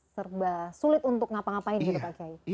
serba sulit untuk ngapa ngapain gitu pak kiai